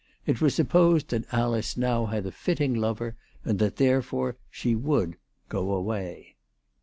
It was supposed that Alice now had a fitting lover, and that therefore she would " go away."